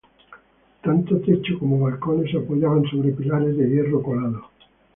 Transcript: Tanto techo como balcones se apoyan sobre pilares de hierro colado.